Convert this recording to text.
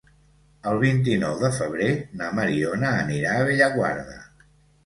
El vint-i-nou de febrer na Mariona anirà a Bellaguarda.